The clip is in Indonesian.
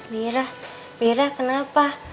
birah birah kenapa